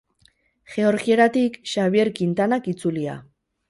Georgieratik Xabier Kintanak itzulia.